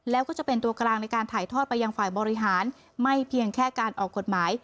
แล้วก็จะเป็นตัวกลางในการถ่ายทอดไปยังฝ่ายบริหารไม่เพียงแค่การออกกฎหมาย